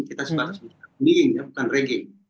kita sebatasnya bilang bullying bukan ragging